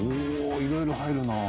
いろいろ入るな。